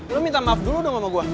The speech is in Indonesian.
lu minta maaf dulu dong sama gua